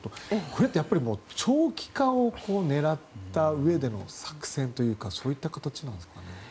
これは長期化を狙ったうえでの作戦というかそういった形なんですか？